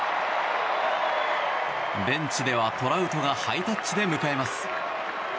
ベンチではトラウトがハイタッチで迎えます。